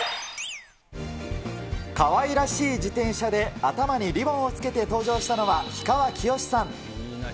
かわいらしい自転車で頭にリボンをつけて登場したのは氷川きよしさん。